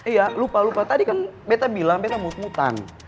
iya lupa lupa tadi kan betta bilang betta mut mutan